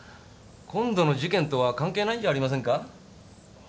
今度の事件とは関係ないんじゃありませんか？